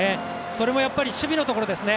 それも守備のところですね。